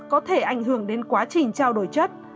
có thể ảnh hưởng đến quá trình trao đổi chất